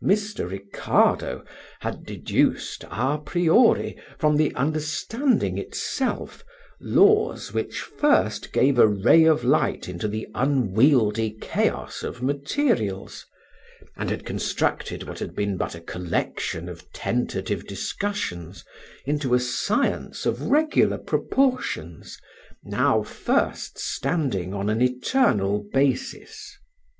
Mr. Ricardo had deduced à priori from the understanding itself laws which first gave a ray of light into the unwieldy chaos of materials, and had constructed what had been but a collection of tentative discussions into a science of regular proportions, now first standing on an eternal basis.